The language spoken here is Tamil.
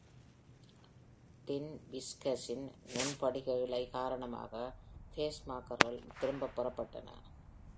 டின் விஸ்கர்ஸின் (நுண் படிக இழை) காரணமாக பேஸ்மேக்கர்கள் திரும்பப்பெறப்பட்டன.